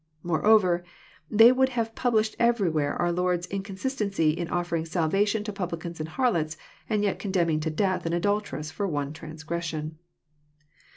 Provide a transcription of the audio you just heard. Moreover, they would have published everywhere our Lord's In consistency in ofitering salvation to publicans and harlots, and yet condemning to death an adulteress for one transgression.